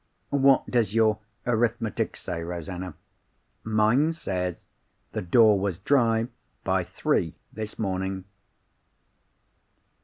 What does your arithmetic say, Rosanna? Mine says the door was dry by three this morning.